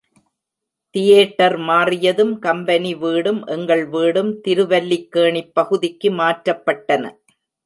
Theatre மாறியதும் company வீடும், எங்கள் வீடும் திருவல்லிக்கேணிப் பகுதிக்கு மாற்றப்பட்டன.